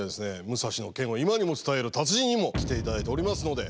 武蔵の剣を今にも伝える達人にも来て頂いておりますので。